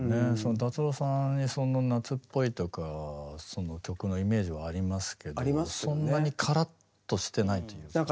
達郎さんにその夏っぽいとかその曲のイメージもありますけどそんなにカラッとしてないというか。